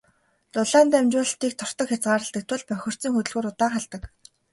Дулаан дамжуулалтыг тортог хязгаарладаг тул бохирдсон хөдөлгүүр удаан халдаг.